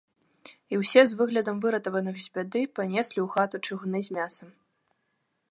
І ўсе, з выглядам выратаваных з бяды, панеслі ў хату чыгуны з мясам.